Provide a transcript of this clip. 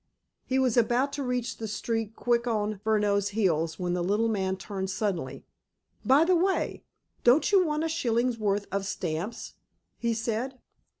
He was about to reach the street quick on Furneaux's heels when the little man turned suddenly. "By the way, don't you want a shilling's worth of stamps?" he said.